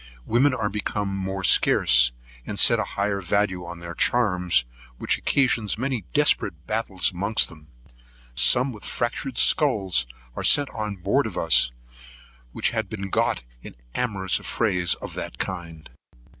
Women are become more scarce, and set a higher value on their charms, which occasions many desperate battles amongst them. Some with fractured skulls were sent on board of us, which had been got in amorous affrays of that kind.